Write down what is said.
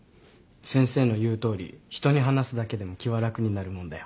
先生の言うとおり人に話すだけでも気は楽になるもんだよ。